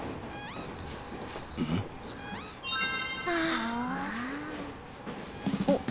ああ。